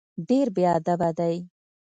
ډېر بېادبه دی.